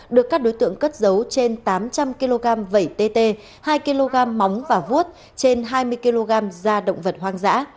được các đối tượng cất dấu trên tám trăm linh kg vẩy tt hai kg móng và vuốt trên hai mươi kg da động vật hoang dã